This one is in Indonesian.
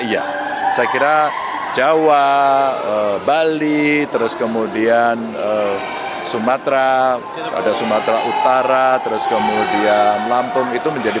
iya saya kira jawa bali terus kemudian sumatera ada sumatera utara terus kemudian lampung itu menjadi